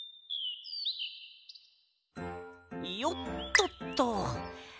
よっとっと。